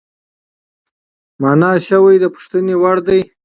مانا شوی د پوښتنې وړدی،